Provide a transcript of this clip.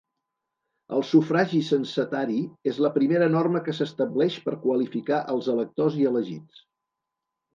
El sufragi censatari és la primera norma que s'estableix per qualificar els electors i elegits.